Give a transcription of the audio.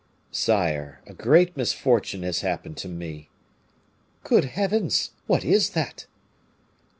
"Sire, a great misfortune has happened to me." "Good heavens! what is that?"